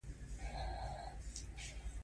پنځمه برخه د اتوماتیک کنټرول سیسټمونه دي.